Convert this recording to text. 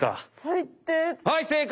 はい正解！